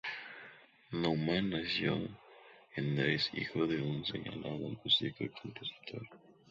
Naumann nació en Dresde, hijo de un señalado músico y compositor.